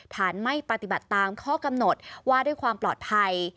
ฐานไม่ปฏิบัติตามข้อกำหนดว่าด้วยความปลอดภัย